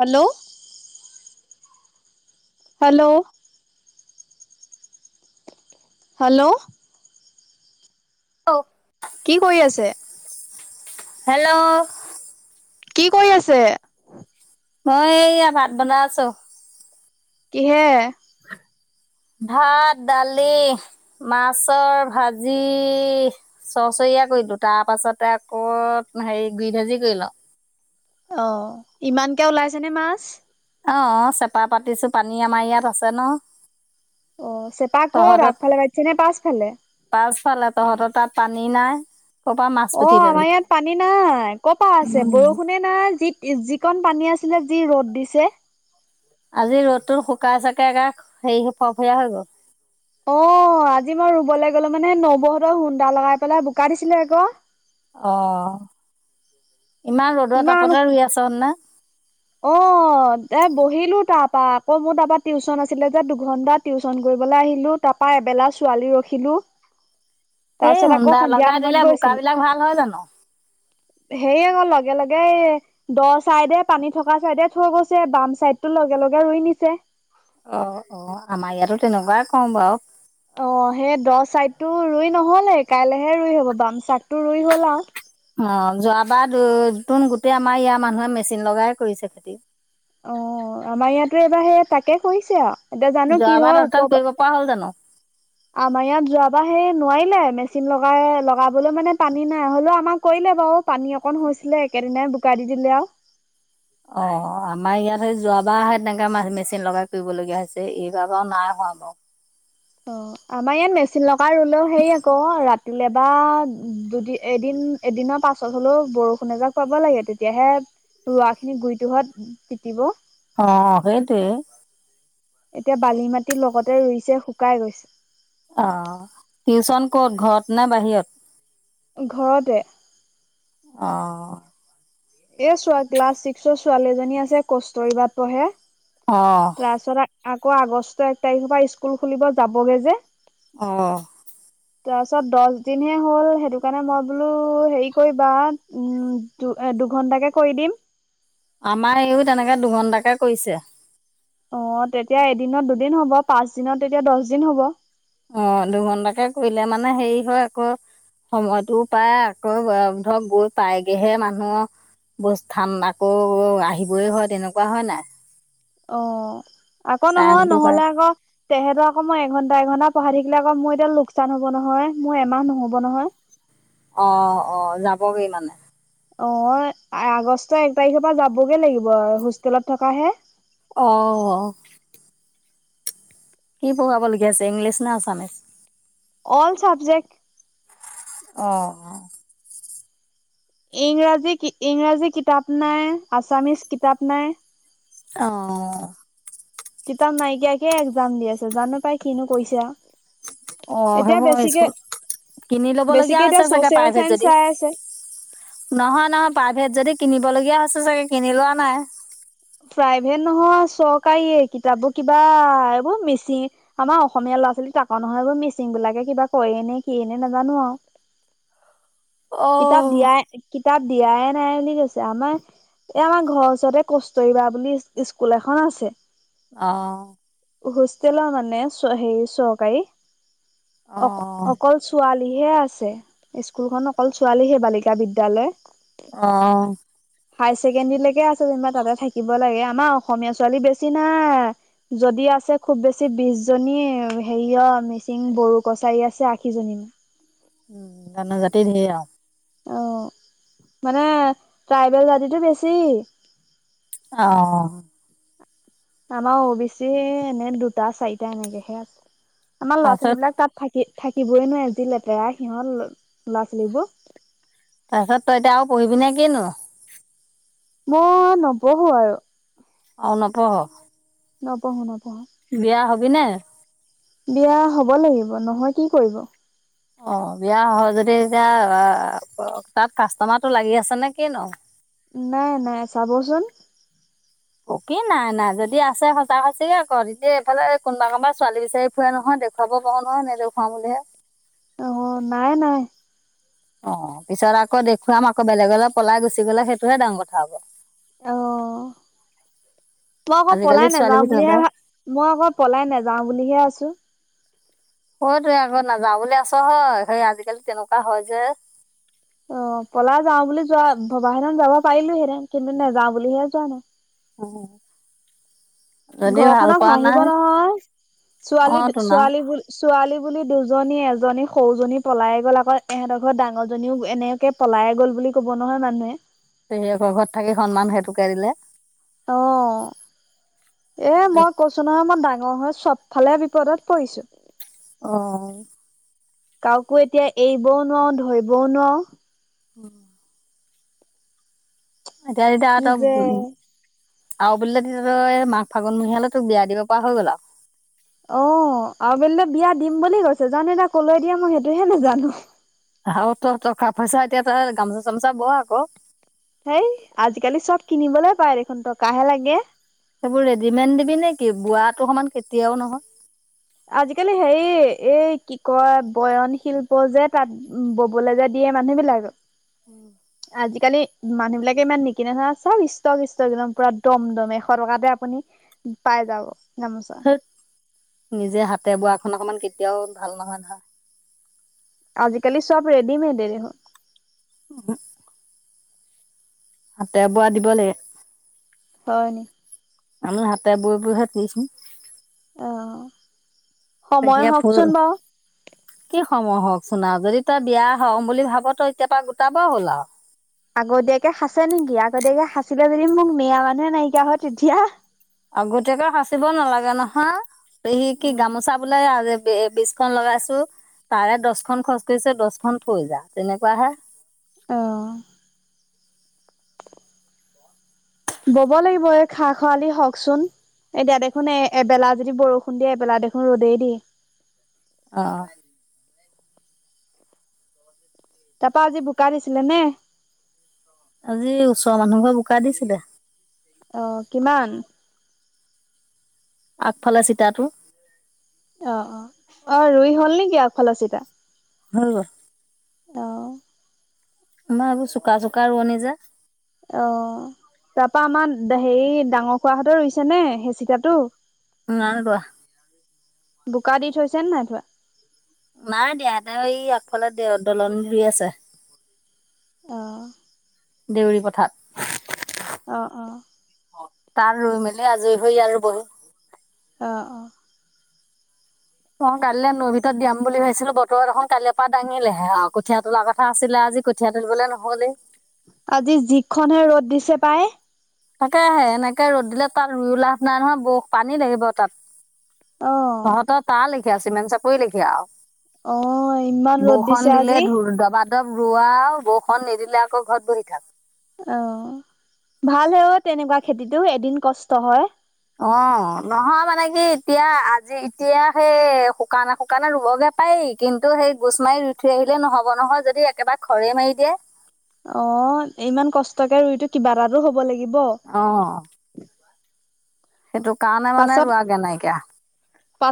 Hello! [inaudible] Hello? [inaudible] Hello! [inaudible] অ [inaudible] কি কৰি আছে? [inaudible] হেল্ল'! [unintelligible] কি কৰি আছে? [unintelligible] মই এইয়া ভাত বনাই আছোঁ। [inaudible] কিহে? [inaudible] ভাত, দালি, মাছৰ ভাজি [unintelligible] চৰ্চৰিয়া কৰিলো। তাৰ পাছতে আকৌ হেৰি গুৰি ভাজি কৰিলো। [unintelligible] অ! ইমানকে ওলাইছেনে মাছ? [unintelligible] অঁ-অঁ! চেপা পাতিছো পানী আমাৰ ইয়াত আছে ন। [inaudible] অ! চেপা ক'ত তহঁতত আগফালে পাতিছেনে পাছফালে? [unintelligible] পাছফালে। তহঁতৰ তাত পানী নাই? [inaudible] মাছ অ! পুঠি পাবি। আমাৰ ইয়াত পানী নাই কৰ পৰা আছে উম বৰষুণে [unintelligible] নাই [inaudible] যি-যি কন পানী আছিলে যি ৰ'দ দিছে। [inaudible] আজি ৰ'দতো শুকাই চাগে একে হেৰি ফৰফৰীয়া হৈ গ'ল। [inaudible] অ! আজি মই ৰুবলৈ গলো মানে নবৌহঁতৰ হুন্দা লগাই পেলাই বোকা দিছিলে আকৌ। [inaudible] অঁ! ইমান ৰ'দ তাপতে ৰুই আছ নে? [inaudible] অ অ' এ বহিলো তাৰপা আকৌ মোৰ তাপা টিউশচন আছিলে যে দুঘন্টা টিউচন কৰিবলে আহিলো। তাপা এবেলা ছোৱালী ৰখিলোঁ। তাৰ এই পিছত আকৌ হুন্দা সন্ধিয়া লগাই দিলে সময়ত গৈছিলোঁ বোকাবিলাক ভাল হয় জানো? হেই আক লগে লগেই দ চাইদে পানীত থকা চাইডে থৈ গৈছে বাম চাইড তো লগে লগে ৰুই নিছে অ অ আমাৰ ইয়াতো তেনেকুৱাই কও বাৰু অ' সেই দ চাইডতটো ৰুই নহলেই কাইলেহে ৰুই হব বাম চাইদটো ৰুই হল আঅ অ' যোৱাবাৰতোন গোটেই আমাৰ ইয়াৰ মানুহে মেচিন লগাই কৰিছে খেতি। অ' আমাৰ ইয়াতো এইবাৰ সেই তাকে কৰিছে আৱ এতিয়া জানো কি হয় উপ কোৱা হ'ল জানো আমাৰ ইয়াত যোৱাবাৰ সেই নোৱাৰিলে মেচিন লগাই লগাবলৈ মানে পানী নাই হলেও আমাক কৰিলে বাঅ পানী অকণ হৈছিলে একেদিনাই বোকা দি দিলে আঅ অ আমা ইয়াত সে যোৱাবাৰ তেনেকে মেচিন লগাই কৰিবলগীয়া হৈছে এইবাৰ বাৰু নাই হোৱা বাৰু। অ আমাৰ ইয়াত মেচিন লগা ৰুলেও হেৰি আকৌ ৰাত তিলে বা দুদি এদিন এদিনৰ পাছত হ'লেও বৰষুণ এযাক পাব লাগে তেতিয়াহে ৰোৱা খিনি গুৰিটোহত তিতিব। অ অ সেইটোৱে এতিয়া বালি মাটিৰ লগতে ৰুইছে শুকাই গৈছ অ' টিউচন ক'ত ঘৰত নে বাহিৰত। ঘৰতে অ এ চোৱা ক্লাছ ছিক্সৰ ছোৱালী এজনী আছে কষ্টৰিবাট পঢ়ে অ', তাৰপাছত আ আকৌ আগষ্ট এক তাৰিখৰ পৰা স্কুল খুলিব যাবগে যে অ' তাৰ পিছত দশ দিনহে হ'ল সেইটো কাৰণে মই বোলো হেৰি কৰিবা উম দু দুঘণ্টাকে কৰি দিম। আমাৰ এইও তেনেকে দুঘন্টাকে কৰিছে অ তেতিয়া এদিনত দুদিন হ'ব, পাঁচ দিনত তেতিয়া দহ দিন হ'ব অ দুঘণ্টাকে কৰিলে মানে হেৰি হয় আকৌ সময়তটো পায় আকৌ ধৰক গৈ পায়গেহে মানুহ ব ঠান আকৌ আহিবই হয় তেনেকুৱা হয় নাই অ আকৌ নহয় টাইমটো পায় নহ'লে আকৌ তেহেত আক মই এঘন্টা এঘণ্টা পঢ়া থাকিলে আকৌ মোৰ এতিয়া লোকচান হব নহয় মোৰ এমাহ নহ'ব নহয় অ অ যাবগৈ মানে? অ 'আগষ্টৰ এক তাৰিখৰ পৰা যাবগৈ লাগিব আৰু হোষ্টেলত থকাহে। অ' কি পঢ়াবলগীয়া হৈছে ইংলিছ না আছামিছ। অ'ল চাব্জেক্ট অ ইংৰাজী ইংৰাজী কিতাপ নাই, আছামিছ কিতাপ নাই। অ কিতাপ নাইকিয়াকে এক্জাম দি আছে জানো পাই কিনো কৈছে আৱ অ সেইবোৰ হয় স্কুল কিনি ল'বলগীয়া বেছিকে এতিয়া হৈছে চাগে ছচিয়েল প্ৰাইভেট চাইন্স যদি চাই আছে নহয় নহয় প্ৰাইভেট যদি কিনিবলগীয়া হৈছে চাগে কিনি লোৱা নাই প্ৰাইভেট নহয় চৰকাৰীয়ে কিতাপবোৰ কিবা এইবোৰ মেচি আমাৰ অসমীয়া ল'ৰা ছোৱালী তাকো নহয় সেইবোৰ মিচিং বিলাকে কিবা কয় নে কিয়ে নে নাজানো আও। কিতাপ অ', দিয়াই কিত কিতাপ দিয়াই নাই বুলি কৈছে আমাৰ এই আমাৰ ঘৰৰ ওচৰতে কষ্ট কস্তুৰবা বুলি স্কুল এখন আছে। অ। হোষ্টেলৰ মানে হেৰি চৰকাৰী অ অকল ছোৱাল লীহে আছে, স্কুলখন অকল ছোৱালীহে বালিকা বিদ্যালয়। অ। হাই ছেকেণ্ডীলেকে আছে যেনিবা তাতে থাকিব লাগে আমাৰ অসমীয়া ছোৱালী বেছি নাই। যদি আছে খুব বেছি বিশ জনী হেৰিয় মিচিং বড়ো কছাৰী আছে আশী জনী মান উম গানৰ জাতি ধেৰ আও অ মানে ট্ৰাইবেল জাতিটো বেছি। অ। আমাৰ অ বি চি এনে দুটা চাৰিটা এনেকেহে আছে আমাৰ ল'ৰা তাৰপিছত ছোৱালী বিলাক তাত থাকি থাকিবই নোৱাৰে যি লেতেৰা সিহঁত ল'ৰা ছোৱালীবোৰ। তাৰপিছত তই এতিয়া আৰু পঢ়ি নে কিনো? মই নপঢ়ো আৰু। অ নপঢ়? নপঢ়ো নপঢ়ো। বিয়া হবি নে? বিয়া হব লাগিব নহৈ কি কৰিব? অ বিয়া সহ যদি এতিয়া তাত কাষ্টমাৰটো লাগি আছে নে কিনো? নাই নাই চাবচোন। অ কি নাই নাই যদি আছে সঁচা সঁচিকে ক তেতিয়া এইফালে কোনোবা কোনোবা ছোৱালী বিচাৰি ফুৰে নহয় দেখো ৱাব পাওঁ নহয় নেদেখোৱাও বুলিহে। ওহোঁ নাই নাই। অ পিছত আকৌ দেখুৱাম আকৌ বেলেগলে পলাই গুচি গলে সেইটোহে ডাঙৰ কথা হ'ব। অ মই আক আজিকালি পলাই নাযাওঁ ছোৱালীবোৰ বুলিহে তেনেকুৱাই ভা মই অক পলাই নাযাওঁ বুলিহে আছো। সেইটো আক নাযাওঁ বুলি আছ হয়, সেই আজিকালি তেনেকুৱা হয় যে। অ পলাই যাও বুলি যোৱা ভবাহেতেন যাব পাৰিলোহেতেন কিন্তু নেযাও বুলিহে যোৱা নাই। অ। ঘৰখনক হাঁহিব নহয়, অ ছোৱালী তোন আৰু ছোৱালী বু ছোৱালী বুলি দুজনী এজনী সৰুজনী পলাই গ'ল আকৌ এহঁতৰ ঘৰত ডাঙৰজনীও এনেকে - পলাইয়ে গ'ল বুলি ক'ব নহয় মানুহে। পেহিয়েকৰ ঘৰত থাকি সন্মান সেইটোকে দিলে। অঁ। এ মই কৈছো নহয় মই ডাঙৰ হৈ চবফালে বিপদত পৰিছো। অ। কাওকো এতিয়া এৰিবও নোৱাৰো ধৰিবও নোৱাৰো। [unintelligible] এতিয়া যেতিয়া কি এতক উম - যে আৰু বুলে তেতিয়া তই এই মাঘ ফাগনমহিয়ালে তোক বিয়া দিব পৰা হৈ গ'ল আও। অ আৰু বেলিলে বিয়া দিম বুলি কৈছে, জানো এতিয়া কলৈ দিয়া মই সেইটোহে নাজানো। আহ তহতক খা পইছা এতিয়া তই গামোচা চামোচা ব আকৌ। হেই আজিকালি চব কিনিবলৈ পায় দেখোন টকাহে লাগে। সেইবোৰ ৰেডিমেড দিবি নে কি, বোৱা তো সমান কেতিয়াও নহয়। আজিকালি হেৰি এই কি কয় বয়ন শিল্প যে তাত উম ববলে যে দিয়ে মানুহবিলাক উম। আজিকালি মানুহ বিলাকে ইমান নিকিনে নয় চব ষ্টক ষ্টক একদম পুৰা দম দম এশ টকাতে আপুনি পাই যাব গামোচা। থুত নিজে হাতে বোৱা খন অকমান কেতিয়াও ভাল নহয় নহয়। আজিকালি চব ৰেডিমেডে দেখোন। [unintelligible] হাতে বোৱা দিব লাগে। হয় নি? আমি হাতে বৈ বৈ তিছো অ'। সময় পেহীয়ে থই গল। হওকচোন বাৰু। কি সময় হওক চুন যদি তই বিয়া হম বুলি ভাব তই এতিয় পা গোটাব হ'ল আও। আগতীয়াকে সাঁচছে নেকি আগতীয়াকে সাঁচিলে যদি মোক মেয়া মানুহে নাইকিয়া হয় তেতিয়া। আগতীয়াকে সাচিব নালাগে নহয়, পেহী কি উম। গামোচা বোলে বে বেছ খন লগাইছো তাৰে দচখন খৰচ কৰিছে দছখন থৈ যা তেনেকুৱ হে। উম। ব'ব লাগিব এই খাৰ খৰালী হওকচোন। এতিয়া দেখোন এ এবেলা যদি বৰষুণ দিয়ে এবেলা দেখোন ৰ'দেই দিয়ে। অ অ। তা পা আজি বোকা দিছিলে নে আজি ওচৰৰ মানুহ ঘৰ বোকা দিছিলে। অ কিমান? আগফালে চিতাটো। অ অ অ ৰুই হল নেকি আফালৰ চিতা হয় গল। অ আমাৰ এইোৰ চোকা চোকা ৰোৱনি যে। অ তা পা আমাৰ হেৰি ডাঙৰ খোৱাহঁতে ৰুইছে নে হেচিকাটো। নাই ৰোৱা। বোকা দি থৈছেনে নাই ঠুৱা? নাই দিয়া এনে এই আগফালে দে দলন ধুই আছে। অঁ। দেউৰী পথাত। অ অ। তাত ৰুই মেলি আজৰি হৈ ইয়াত ৰুবহি। অঁ অঁ। মই কাইলৈ নৈ ভিতৰত দিয়াম বুলি ভাবিছিলো বতৰ এখন কালৈৰ পৰা দাঙিলেহে আৰু কঠীয়া তোলা কথা আছিলে আজি। কঠীয়া তুলবলে নহ'লেই। আজি যিখনহে ৰ'দ দিছে পাই। তাকে হে এনেকে ৰ'দ দিলে তাত ৰুই লাভ নাই নহয়, ব পানী লাগিব তাত। অ তহঁতৰ তাৰ লিখে আছে আও মেন চাপৰি লেখিয়ে অ ইমান আও ৰ'দ দিছে বৰষুন দিলে আজি ধুৰ দবাত। একদম ৰোৱা বৰষন নিদিলে আকৌ ঘৰত বহি থাক। অঁ ভাল হে অ তেনেকুৱা খেতিতটো এদিন কষ্ট হয়। অঁ নহয় মানে কি এতিয়া আজি এতিয়া সেই শুকানে শুকানে ৰুবগে। পায় কিন্তু সেই গোচ মাৰি ৰুই ঠৈ আহিলে নহব নহয় যদি একেবাৰে খৰে মাৰি দিয়ে। অঁ ইমান কষ্টকে ৰুইতো কিবা এটাতো হ'ব লাগিব। অঁ! সেইটো কাৰণে মানে পাছত ৰোৱাগে নাইকিয়া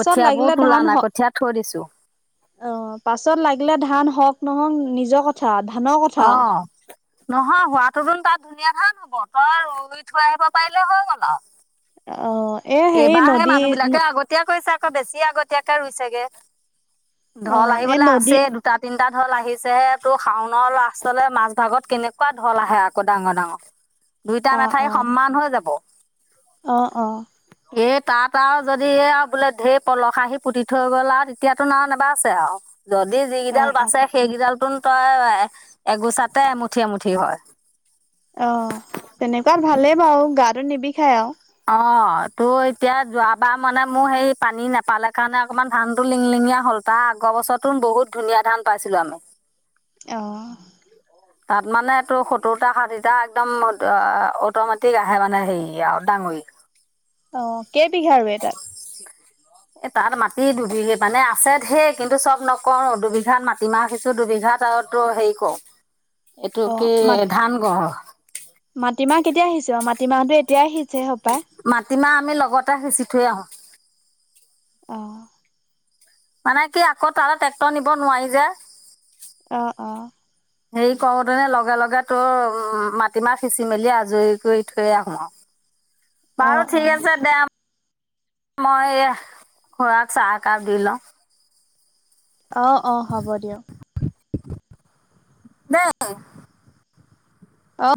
কঠিয়াবোৰ তোলা নাই কঠীয়া থৈ দিছোঁ। অঁ পাছত লাগিলে ধান হওক নহওক নিজৰ কথা ধানৰ অ কথাও। নহয় হোৱাটো তাত ধুনীয়া ধান হ'ব তই ৰুই থৈ আহিব পাৰিলে হৈ গ'ল আও অঁ এ হেৰি নদী এতিয়া কৈছে আকৌ বেছি আগতয়াকে ৰুইছেগে অ ঢল এই আহিবলে নদী আছে। দুটা তিনিটা ঢল আহিছেহে তোৰ শাওনৰ লৰাষ্টলে মাজ ভাগত কেনেকুৱা ঢল আহে আকৌ ডাঙৰ ডাঙৰ। [inaudible] দুইটা মেঠাই সমান হৈ যাব। অঁ অঁ! এই তাত আৰু যদি এই আৰু বোলে ঢেৰ পলস আহি পুতি থৈ গ'ল আও তেতিয়াতো না নেবাছে আও যদি অ যিকেইডাল অ বাচে সেইকেইডালটোন তই এগোচাতে এমুঠি এমুঠি হয়। অঁ তেনেকুৱাত ভালেই বাৰু গাটো নিবিষায় আও অঁ তো এতিয়া যোৱাবাৰ মানে মোৰ সেই পানী নাপালে কাৰণে অকনমান ধান টো লিঙ লিঙিয়ীয়া হ'ল। তা আগৰ বছৰতো বহুত ধুনীয়া ধান পাইছিলো আমি। অ অ তাত মানে তটো সত্তৰটা ষাঠিটা একদম অটোমেটিক আহে মানে হেৰি আও ডাঙৰি। অঁ কেইবিঘা ৰোয়েল তাত। এ তাত মাটি দুবি মানে আছে ঢেৰ কিন্তু চব নকৰওঁ দুবিঘাত মাটিমাহ সিচো দুবিঘাত আও তো হেৰি কও [unintelligible] এইটো অ একে মা ধান গঢ় মাটিমাহ কেতিয়া সিছিৱ অ মাটিমাহটো এতিয়া সিছে সপায়। মাটিমাহ আমি লগতে সিঁচি থৈ আহোঁ। অঁ। মানে কি আকৌ তালে ট্ৰেক্টৰ নিব নোৱাৰি যে, অঁ অঁ। মোৰ কৰোতেনে লগে লগে তোৰ উমঁ মাটিমাহ সিঁচি মেলি আজৰি কৰি থৈয়ে আহো আৰু [unintelligible] বাৰু অ ঠিক আছে দে মই এয়া খুৰাক চাহ একাপ দি লওঁ। অঁ অঁ হ'ব দিয়ক। দে এহ অঁ।